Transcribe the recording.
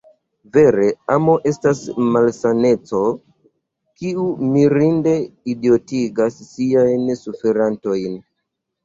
Vere, amo estas malsaneco, kiu mirinde idiotigas siajn suferantojn!